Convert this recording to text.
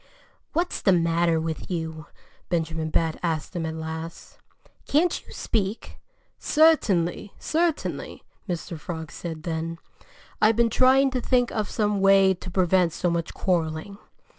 "What's the matter with you?" Benjamin Bat asked him at last. "Can't you speak?" "Certainly! Certainly!" Mr. Frog said then. "I've been trying to think of some way to prevent so much quarreling.